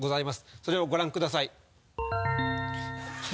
それをご覧ください。